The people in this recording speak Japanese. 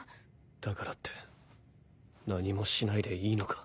だからって何もしないでいいのか？